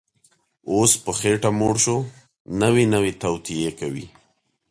اوس په خېټه موړ شو، نوې نوې توطیې کوي